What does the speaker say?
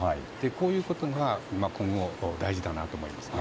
こういうことが今後大事だなと思います。